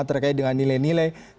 terkait dengan nilai nilai kebangsaan nkri